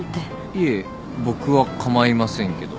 いえ僕は構いませんけど。